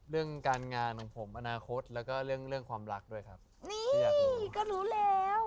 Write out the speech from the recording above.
เรื่องการงานของผมอนาคตแล้วก็เรื่องเรื่องความรักด้วยครับนี่ก็รู้แล้ว